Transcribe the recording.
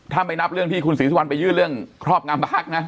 ถ้าไม่นับเรื่องที่คุณศรีสุวรรณไปยื่นเรื่องครอบงำพักนะ